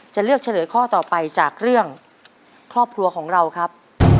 เลือกเฉลยข้อต่อไปจากเรื่องครอบครัวของเราครับ